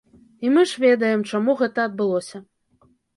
І мы ж ведаем, чаму гэта адбылося.